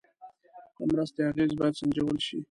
د مرستې اغېز باید سنجول شي.